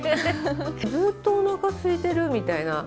ずっとおなかすいてるみたいな。